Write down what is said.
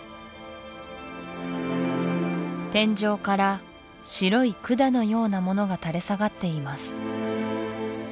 天井から白い管のようなものが垂れ下がっています